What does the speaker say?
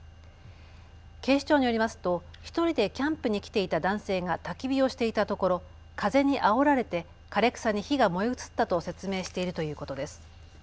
警視庁によりますと１人でキャンプに来ていた男性がたき火をしていたところ風にあおられて枯れ草に火が燃え移ったと説明しているということです。